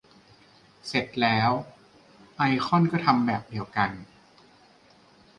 เสร็จแล้ว ไอคอนก็ทำแบบเดียวกัน